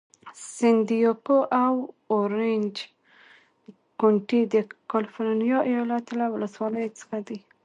سن دیاګو او اورینج کونټي د کالفرنیا ایالت له ولسوالیو څخه دي.